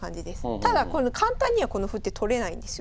ただ簡単にはこの歩って取れないんですよ。